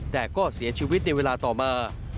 แต่ก็เสียชีวิตในเวลาต่อมา